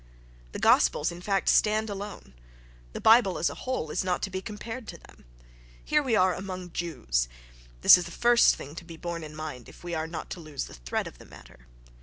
The gospels, in fact, stand alone. The Bible as a whole is not to be compared to them. Here we are among Jews: this is the first thing to be borne in mind if we are not to lose the thread of the matter.